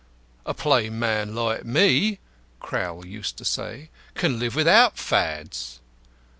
"A plain man like me," Crowl used to say, "can live without fads."